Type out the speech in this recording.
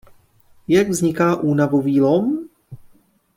Jak vzniká únavový lom?